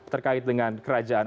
terkait dengan kerajaan